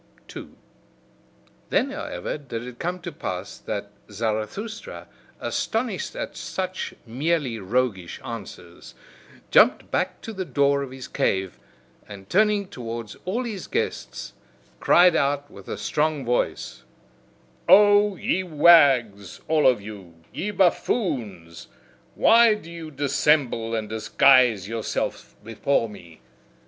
2. Then, however, did it come to pass that Zarathustra, astonished at such merely roguish answers, jumped back to the door of his cave, and turning towards all his guests, cried out with a strong voice: "O ye wags, all of you, ye buffoons! Why do ye dissemble and disguise yourselves before me!